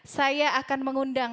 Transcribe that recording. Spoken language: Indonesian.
saya akan mengundang